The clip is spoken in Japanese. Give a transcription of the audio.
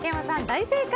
大正解！